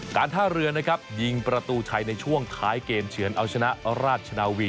การท่าเรือนะครับยิงประตูชัยในช่วงท้ายเกมเฉือนเอาชนะราชนาวี